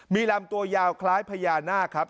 มีลำตัวยาวคล้ายพญานาคครับ